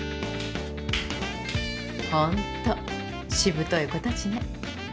ホントしぶとい子たちね。